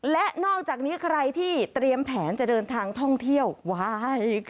และนอกจากนี้ใครที่เตรียมแผนจะเดินทางท่องเที่ยวไว้